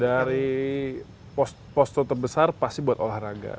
dari posko terbesar pasti buat olahraga